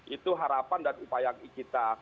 itu harapan dan upaya kita